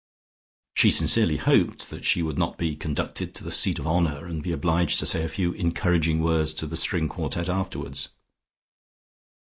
She sincerely hoped that she would not be conducted to the seat of honour, and be obliged to say a few encouraging words to the string quartet afterwards.